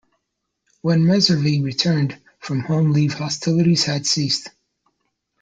When Messervy returned from home leave hostilities had ceased.